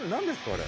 あれ。